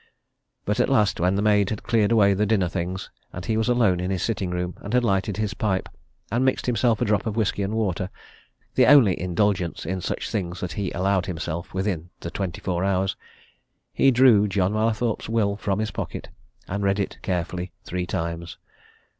But at last, when the maid had cleared away the dinner things, and he was alone in his sitting room, and had lighted his pipe, and mixed himself a drop of whisky and water the only indulgence in such things that he allowed himself within the twenty four hours he drew John Mallathorpe's will from his pocket, and read it carefully three times.